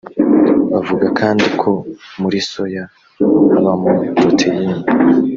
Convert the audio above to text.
Bavuga kandi ko muri soya habamo protein